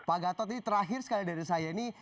pak gatot ini terakhir sekali dari saya ini